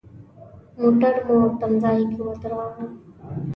موټر مو تم ځای کې ودراوه.